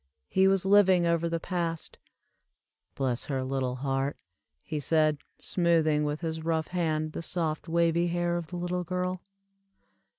He was living over the past. "Bless her little heart," he said, smoothing with his rough hand the soft wavy hair of the little girl.